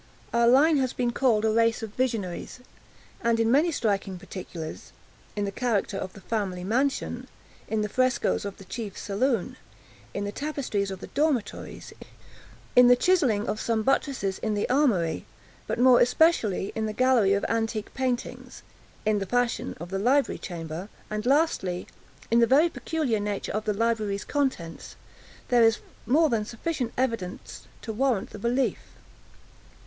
Our line has been called a race of visionaries; and in many striking particulars—in the character of the family mansion—in the frescos of the chief saloon—in the tapestries of the dormitories—in the chiselling of some buttresses in the armory—but more especially in the gallery of antique paintings—in the fashion of the library chamber—and, lastly, in the very peculiar nature of the library's contents—there is more than sufficient evidence to warrant the belief.